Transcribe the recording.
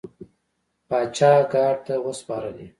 پاچا ګارد ته وسپارلې.